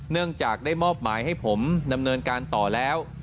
เนื่องจากได้มอบหมายให้ผมดำเนินการต่อแล้ว